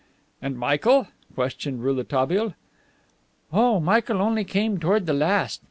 "And Michael?" questioned Rouletabille. "Oh, Michael only came towards the last.